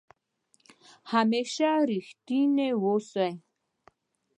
همېشه ریښتونی اوسه